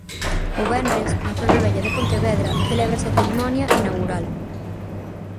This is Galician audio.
O venres, na zona vella de Pontevedra, celébrase a cerimonia inaugural.